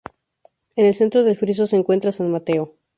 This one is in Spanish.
En el centro del friso se encuentra San Mateo.